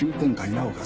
なおかつ